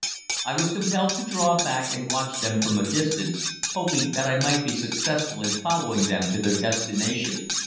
I was compelled to draw back and watch them from a distance, hoping that I might be successful in following them to their destination.